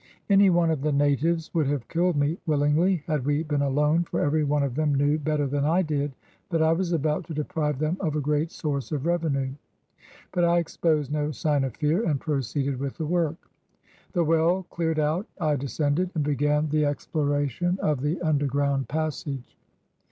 Any one of the natives would have killed me willingly, had we been alone, for every one of them knew better than I did that I was about to deprive them of a great source of revenue. But I exposed no sign of fear and proceeded with the work. The well cleared out, I descended and began the exploration of the under ground passage.